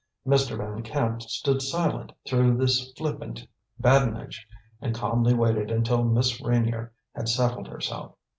Mr. Van Camp stood silent through this flippant badinage, and calmly waited until Miss Reynier had settled herself.